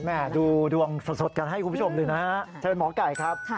แหม่ดูดวงสดกันให้คุณผู้ชมดูนะฮะใช่ไหมหมอไก่ครับ